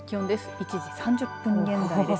１時３０分現在です。